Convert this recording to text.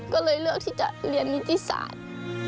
ก็เลยเลือกที่จะเรียนนิติศาสตร์